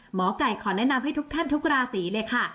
หมอไก่ขอแนะนำให้ทุกท่านทุกราศีเลยค่ะ